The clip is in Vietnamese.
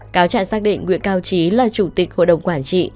cáo trạng xác định nguyễn cao trí là chủ tịch hội đồng quản trị